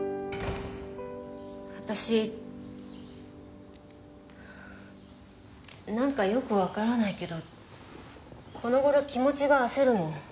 私なんかよくわからないけどこの頃気持ちが焦るの。